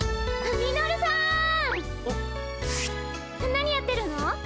何やってるの？